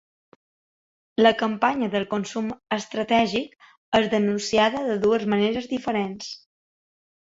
La campanya del ‘Consum estratègic’ és denunciada de dues maneres diferents.